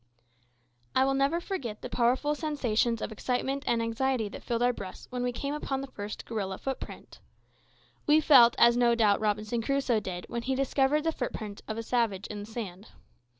I will never forget the powerful sensations of excitement and anxiety that filled our breasts when we came on the first gorilla footprint. We felt as no doubt Robinson Crusoe did when he discovered the footprint of a savage in the sand.